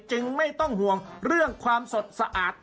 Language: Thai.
ไม่ต้องห่วงเรื่องความสดสะอาด